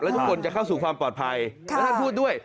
และทุกคนจะเข้าถึงความปลอดภัย